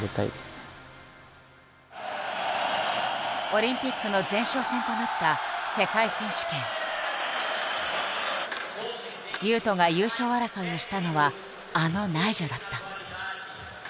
オリンピックの前哨戦となった雄斗が優勝争いをしたのはあのナイジャだった。